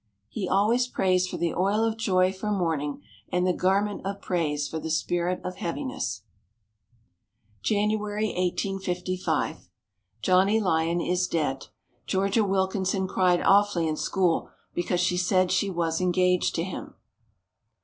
He always prays for the oil of joy for mourning and the garment of praise for the spirit of heaviness. January, 1855. Johnny Lyon is dead. Georgia Wilkinson cried awfully in school because she said she was engaged to him.